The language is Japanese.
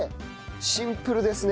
シンプルですね。